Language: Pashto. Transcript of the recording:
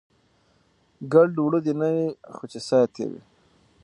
ګړد وړه دی نه وي، خو چې سات تیر وي.